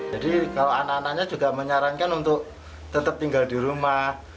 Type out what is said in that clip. jadi kalau anak anaknya juga menyarankan untuk tetap tinggal di rumah